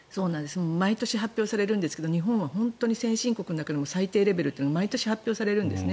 毎年発表されるんですが日本は本当に先進国の中でも最低レベルって毎年発表されるんです。